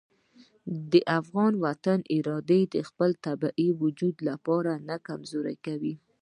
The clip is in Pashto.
د افغان وطن اراده د خپل طبیعي وجود لپاره نه کمزورې کوي.